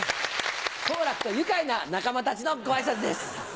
好楽と愉快な仲間たちのご挨拶です。